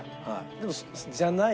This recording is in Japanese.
でもじゃない。